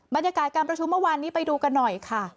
บรรยากาศการประชุมเมื่อวานนี้ไปดูกันหน่อยค่ะ